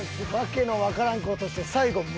訳の分からんことして最後。